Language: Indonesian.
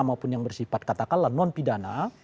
maupun yang bersifat katakanlah non pidana